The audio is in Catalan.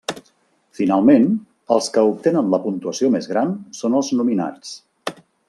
Finalment, els que obtenen la puntuació més gran són els nominats.